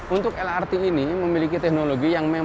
untuk lrt ini memiliki teknologi yang memang